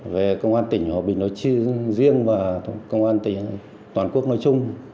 về công an tỉnh hòa bình nói riêng và công an tỉnh toàn quốc nói chung